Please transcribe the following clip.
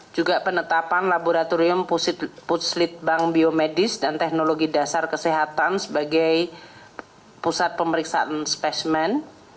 juga penetapan laboratorium putslit bank biomedis dan teknologi dasar kesehatan sebagai pusat pemeriksaan spesimen